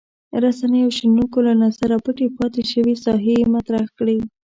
رسنیو او شنونکو له نظره پټې پاتې شوې ساحې یې مطرح کړې.